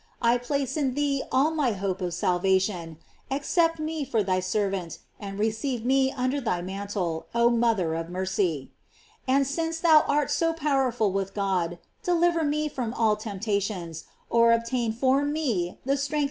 I place in thee all my hopes of salvation; accept me for thy servant, and receive me under thy mantle, oh thou mother of mercy. And since thou art so powerful with God, deliver me from all temptations, or obtain for me the strength 334 GLORIES OF MART.